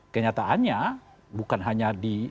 kenyataannya bukan hanya di tingkat publik